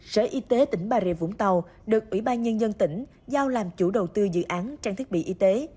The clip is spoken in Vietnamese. sở y tế tỉnh bà rịa vũng tàu được ủy ban nhân dân tỉnh giao làm chủ đầu tư dự án trang thiết bị y tế